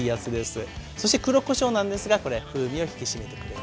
そして黒こしょうなんですがこれ風味を引き締めてくれます。